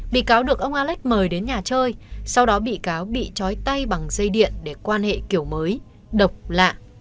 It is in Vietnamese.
bị cáo được ông alex mời đến nhà chơi sau đó bị cáo bị chói tay bằng dây điện để quan hệ kiểu mới độc lạ